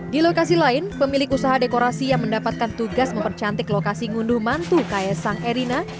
di lokasi lain pemilik usaha dekorasi yang mendapatkan tugas mempercantik lokasi ngunduh mantu kaisang erina